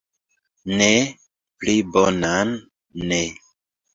Ne, pli bonan ne!